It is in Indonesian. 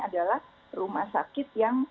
adalah rumah sakit yang